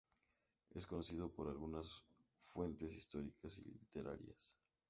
Es conocido por algunas fuentes históricas y literarias.